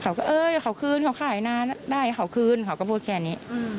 เขาก็เออเขาคืนเขาขายนานได้เขาคืนเขาก็พูดแค่นี้